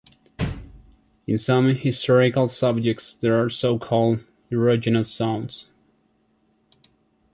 In some hysterical subjects there are so-called erogenous zones.